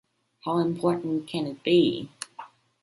How Important Can It Be?